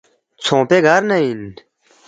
ژھونگپے گار نہ اِن